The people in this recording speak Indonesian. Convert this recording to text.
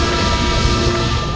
kau tidak tahu menangkapmu